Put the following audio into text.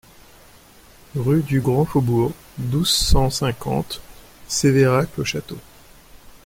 RUE DU GRAND FAUBOURG, douze, cent cinquante Sévérac-le-Château